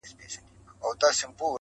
ځوان ناست دی.